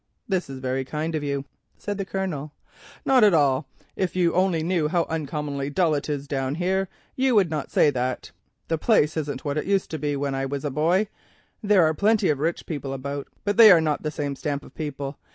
"That is very kind of you," said the Colonel. "Not at all. If you only knew how uncommonly dull it is down in these parts you would not say that. The place isn't what it used to be when I was a boy. There are plenty of rich people about, but they are not the same stamp of people.